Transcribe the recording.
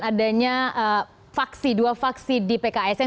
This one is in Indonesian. adanya faksi dua faksi di pksn